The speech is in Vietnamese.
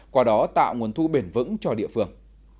qua đó tạo nguồn thu bền vững cho địa phương